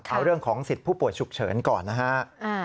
เอาเรื่องของสิทธิ์ผู้ป่วยฉุกเฉินก่อนนะฮะ